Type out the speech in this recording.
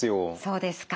そうですか。